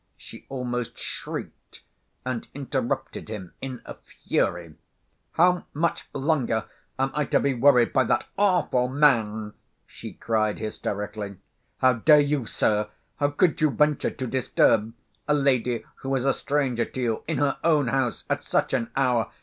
She almost shrieked, and interrupted him in a fury: "How much longer am I to be worried by that awful man?" she cried hysterically. "How dare you, sir, how could you venture to disturb a lady who is a stranger to you, in her own house at such an hour!...